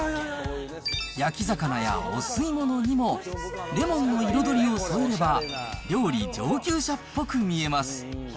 焼き魚やお吸い物にも、レモンの彩りを添えれば料理上級者っぽく見えます。